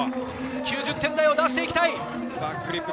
９０点台を出していきたい。